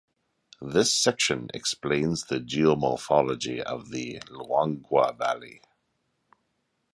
This section explains the geomorphology of the Luangwa Valley.